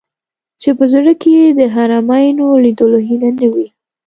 چې په زړه کې یې د حرمینو لیدلو هیله نه وي.